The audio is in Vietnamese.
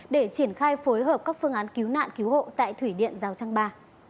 để triển khai phối hợp các phương án cứu nạn cứu hộ tại thủy điện giao trang ba